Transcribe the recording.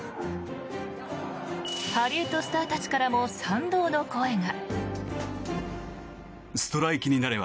ハリウッドスターたちからも賛同の声が。